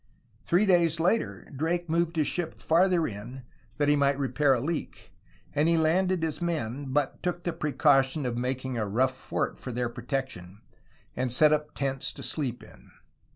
Three days later Drake moved his ship farther in, that he might repair a leak, and landed his men, but took the precaution of making a rough fort for their protection, and set up tents to sleep in.